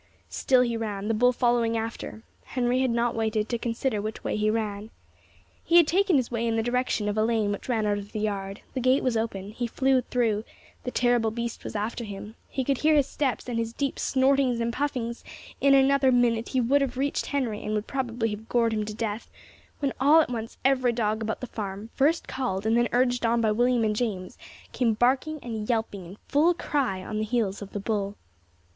Still he ran, the bull following after. Henry had not waited to consider which way he ran. He had taken his way in the direction of a lane which ran out of the yard; the gate was open he flew through the terrible beast was after him he could hear his steps and his deep snortings and puffings; in another minute he would have reached Henry, and would probably have gored him to death, when all at once every dog about the farm, first called and then urged on by William and James, came barking and yelping in full cry on the heels of the bull.